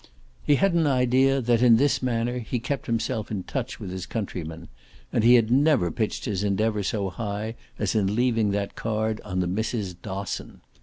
He had an idea that in this manner he kept himself in touch with his countrymen; and he had never pitched his endeavour so high as in leaving that card on the Misses Dosson.